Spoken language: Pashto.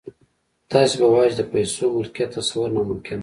تاسې به واياست چې د پيسو د ملکيت تصور ناممکن دی.